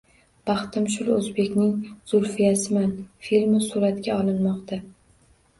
“Baxtim shul – o‘zbekning Zulfiyasiman” filmi suratga olinmoqda